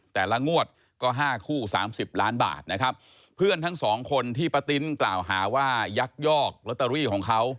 แต่ละงวดก็ห้าคู่สามสิบล้านบาทนะครับเพื่อนทั้งสองคนที่ป้าติ้นกล่าวหาว่ายักยอกลอตเตอรี่ของเขา